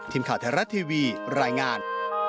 ทีมข่าวไทยรัฐทีวีรายงาน